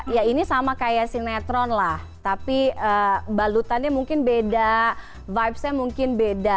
ya ini sama kayak sinetron lah tapi balutannya mungkin beda vibesnya mungkin beda